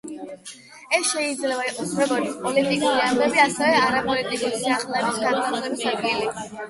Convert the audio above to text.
ეს შეიძლება იყოს, როგორც პოლიტიკური ამბები, ასევე არაპოლიტიკური სიახლეების განთავსების ადგილი.